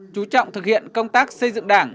chú trọng thực hiện công tác xây dựng đảng